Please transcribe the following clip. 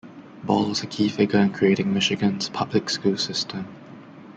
Ball was a key figure in creating Michigan's public school system.